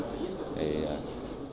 để tìm hiểu